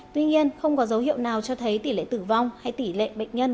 tuy nhiên không có dấu hiệu nào cho thấy tỷ lệ tử vong hay tỷ lệ bệnh nhân